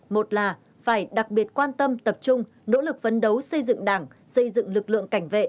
một là phải đặc biệt quan tâm tập trung nỗ lực vấn đấu xây dựng đảng xây dựng lực lượng cảnh vệ